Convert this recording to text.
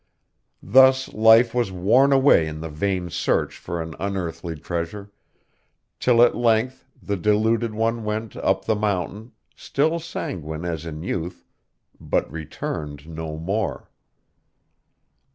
Thus life was worn away in the vain search for an unearthly treasure, till at length the deluded one went up the mountain, still sanguine as in youth, but returned no more.